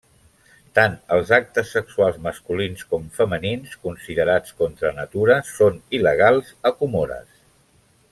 Tant els actes sexuals masculins com femenins considerats contra natura són il·legals a Comores.